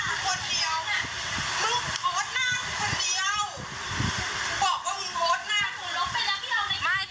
แล้วมึงโพสต์ทำไมเรื่องแต่แรก